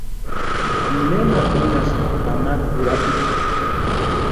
¿Nena únhasïnki kamata urapiti?